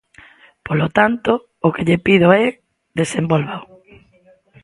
Polo tanto, o que lle pido é: desenvólvao.